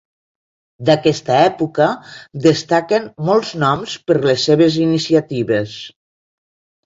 D'aquesta època destaquen molts noms per les seves iniciatives.